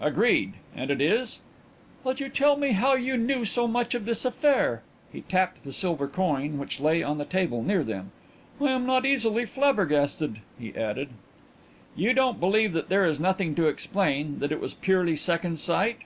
"Agreed. And it is?" "That you tell me how you knew so much of this affair." He tapped the silver coin which lay on the table near them. "I am not easily flabbergasted," he added. "You won't believe that there is nothing to explain that it was purely second sight?"